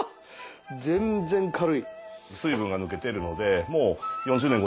全然軽い。